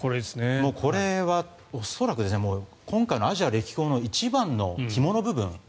これは恐らく今回のアジア歴訪の一番の肝の部分。